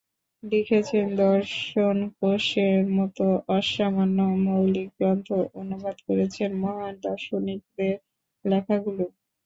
লিখেছেন দর্শনকোষের মতো অসামান্য মৌলিক গ্রন্থ, অনুবাদ করেছেন মহান দার্শনিকদের লেখাগুলোও।